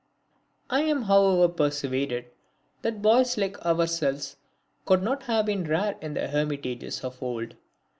I am however persuaded that boys like ourselves could not have been rare in the hermitages of old.